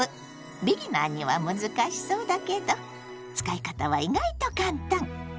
ビギナーには難しそうだけど使い方は意外と簡単！